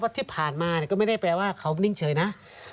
ที่ผ่านมาก็ไม่ได้แปลว่าเขานิ่งเฉยนะ